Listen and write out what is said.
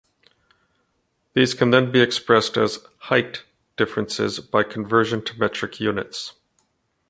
These can then be expressed as "height" differences by conversion to metric units.